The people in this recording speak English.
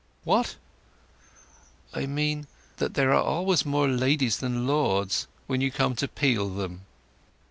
"What?" "I meant that there are always more ladies than lords when you come to peel them."